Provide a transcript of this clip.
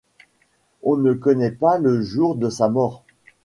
On ne connaît pas le jour de sa mort.